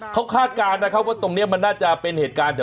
เขาคาดการณ์นะครับว่าตรงนี้มันน่าจะเป็นเหตุการณ์